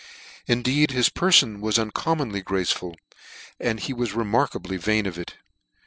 In deed his perfon was uncommonly graceful, and he was remarkably vain of it.